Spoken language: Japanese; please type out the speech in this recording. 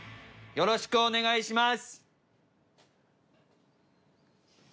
よろしくお願いします。